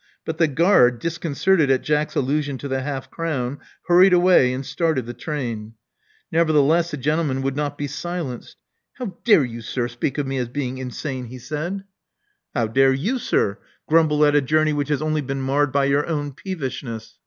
But the guard, disconcerted at Jack's allusion to the half crown, hurried away and started the train. Nevertheless the gentleman would not be silenced. How dare you, sir, speak of me as being insane?" he said. Love Among the Artists 65 How dare you, sir, grumble at a journey which has only been marred by your own peevishness?